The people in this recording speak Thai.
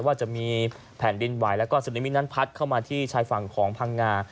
ว่าจะมีแผ่นดินไหวแล้วก็ซึนามินั้นพัดเข้ามาที่ชายฝั่งของพังงา